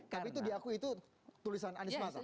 tapi itu diakui itu tulisan anies mata